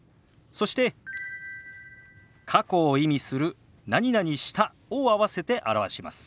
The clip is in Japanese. そして過去を意味する「した」を合わせて表します。